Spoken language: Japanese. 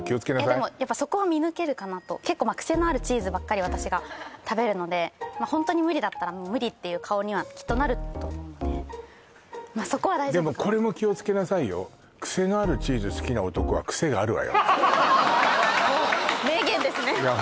結構まあクセのあるチーズばっかり私が食べるのでまあホントに無理だったら無理っていう顔にはきっとなると思うのでまあそこは大丈夫かなとでもこれも気をつけなさいよおお名言ですねいや